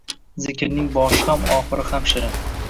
Zikrning boshi ham, oxiri ham shirin.